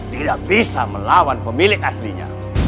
tidak bisa melawan pemilik aslinya